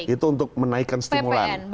itu untuk menaikkan stimulan